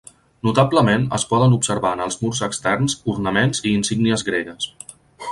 Notablement, es poden observar en els murs externs ornaments i insígnies gregues.